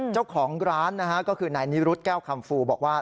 เจ้าของร้านนะฮะก็คือนายนิรุธแก้วคำฟูบอกว่า